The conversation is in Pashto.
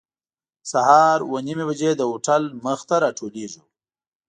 سهار اوه نیمې بجې د هوټل مخې ته راټولېږو.